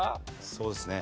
そうですね。